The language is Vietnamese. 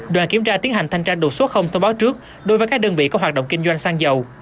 đoàn kiểm tra tiến hành thanh tra đột xuất thông báo trước đối với các đơn vị có hoạt động kinh doanh xăng dầu